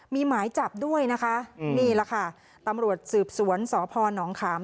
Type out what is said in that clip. มีหมายจับด้วยนะคะนี่แหละค่ะตำรวจสืบสวนสพนขาม